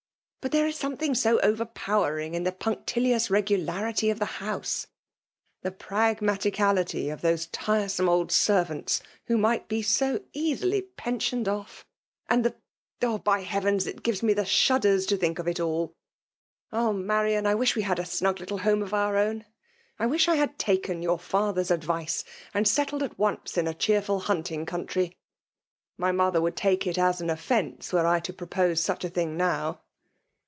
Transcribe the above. But there is something so overpowering in the puncti lious regularity of the house ; the pragmati cality of tbo9e tiresome old servants (who might be 60 easily pensioned ofif )— and the — the — by heavens! it gives me the shudders to think of it all ! Ah ! Mariao^ I wish we had a snug little home of our own. I wish I had taken your father's advice, and settled at once in a cheerful hunting country. My mo ther would take it as an offence, were I to propose such a thing now